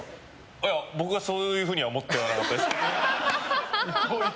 いや、僕はそういうふうには思ってなかったです。